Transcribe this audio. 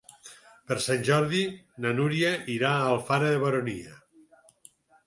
Per Sant Jordi na Núria irà a Alfara de la Baronia.